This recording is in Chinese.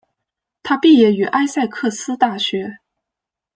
他毕业于艾塞克斯大学。